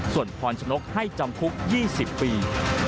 ส่วนพรชนกให้จำคุก๒๐ปี